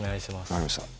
分かりました。